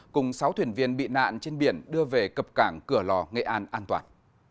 cùng sáu thuyền viên bị nạn trên biển đưa về cập cảng cửa lò nghệ an an toàn